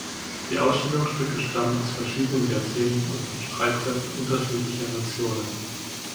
Die Ausstellungsstücke stammen aus verschiedenen Jahrzehnten und von Streitkräften unterschiedlicher Nationen.